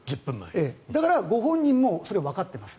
だから、ご本人もそれはわかっています。